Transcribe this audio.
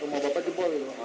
rumah bapak jebol ya